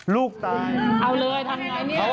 ลูกตายเอาเลยทางไหนเนี่ย